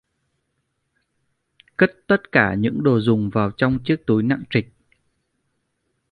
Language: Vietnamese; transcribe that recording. Cất tất cả những đồ dùng vào trong chiếc túi nặng trịch